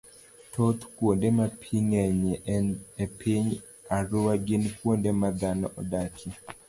thoth kuonde ma pi ng'enyie e piny Arua gin kuonde ma dhano odakie.